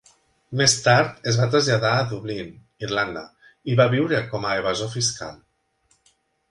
Més tard es va traslladar a Dublín, Irlanda, i va viure com a evasor fiscal.